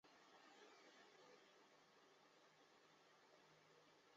其中东西斋为对称结构。